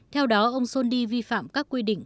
theo đó ông sondi vi phạm các quy định